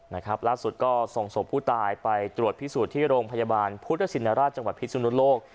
นะครับล่าสุดก็ส่งศพผู้ตายไปตรวจพิสูจน์ที่โรงพยาบาลพุทธชินราชจังหวัดพิสุนุโลก